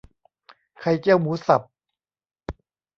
ไข่เจียวหมูสับ